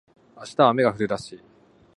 明日は雨が降るらしい